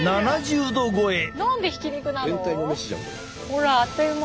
ほらあっという間。